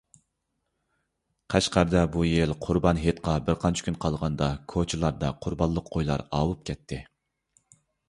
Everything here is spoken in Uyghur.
قەشقەردە بۇ يىل قۇربان ھېيتقا بىرقانچە كۈن قالغاندا كوچىلاردا قۇربانلىق قويلار ئاۋۇپ كەتتى.